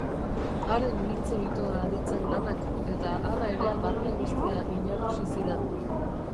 Haren mintzo itoa aditzen lanak, eta hala ere barne guztia inarrosi zidan.